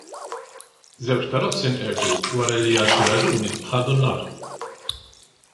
Żewġ karozzi nqerdu wara li għal xi raġuni ħadu n-nar.